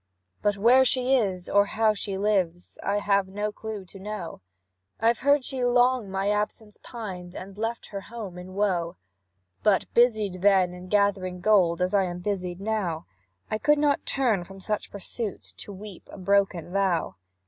"But where she is, or how she lives, I have no clue to know; I've heard she long my absence pined, And left her home in woe. But busied, then, in gathering gold, As I am busied now, I could not turn from such pursuit, To weep a broken vow.